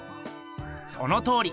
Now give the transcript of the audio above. そのとおり。